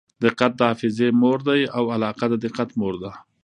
دقت د حافظې مور دئ او علاقه د دقت مور ده.